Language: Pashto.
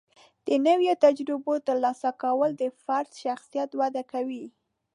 د نوي تجربو ترلاسه کول د فرد شخصیت وده کوي.